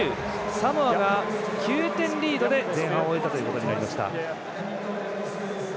サモアが９点リードで前半を終えたということになりました。